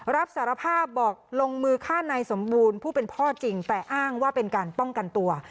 รับสารภาพบอกลงมือฆ่านายสมบูรณ์ผู้เป็นพ่อจริงแต่อ้างว่าเป็นการป้องกันตัว